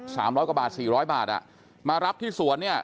สามร้อยกว่าบาทสี่ร้อยบาทอ่ะมารับที่สวนเนี่ย